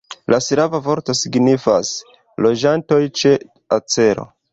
La slava vorto signifas: loĝantoj ĉe acero.